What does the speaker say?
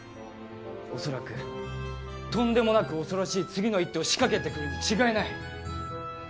おそらくとんでもなく恐ろしい次の一手を仕掛けてくるに違いない！